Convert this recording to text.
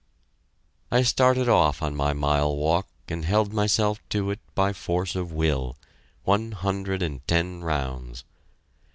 I started off on my mile walk, and held myself to it by force of will, one hundred and ten rounds.